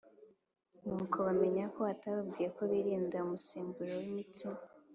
Nuko bamenya yuko atababwiye ko birinda umusemburo w’imitsima,